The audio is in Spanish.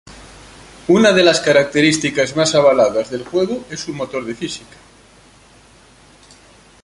Una de las características más alabada del juego es su motor de física.